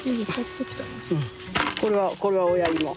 これはこれは親芋。